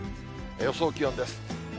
予想気温です。